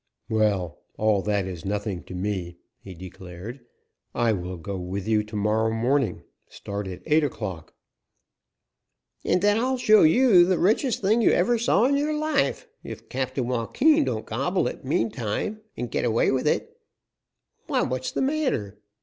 "Well, all that is nothing to me," he declared. "I will go with you to morrow morning, start at eight o'clock." "And then I'll show you the richest thing you ever saw in your life, if Captain Joaquin don't gobble it mean time and get away with et Why, what's the matter?"